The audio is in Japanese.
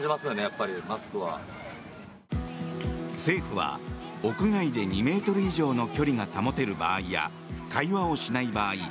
政府は屋外で２ｍ以上の距離が保てる場合や会話をしない場合